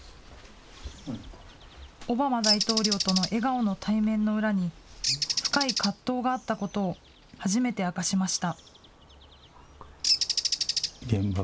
オバマ大統領との笑顔の対面の裏に、深い葛藤があったことを初めて明かしました。